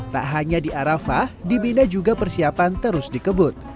tak hanya di arafah dibina juga persiapan terus dikebut